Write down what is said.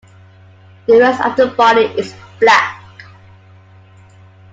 The rest of the body is black.